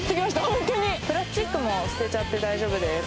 ホントにプラスチックも捨てちゃって大丈夫です